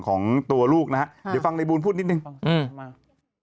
ของตัวลูกนะฮะเดี๋ยวฟังในบูลพูดนิดนึงอืมมา